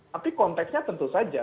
tapi konteksnya tentu saja